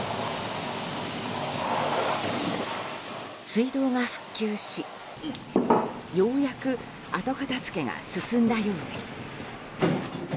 水道が復旧し、ようやく後片付けが進んだようです。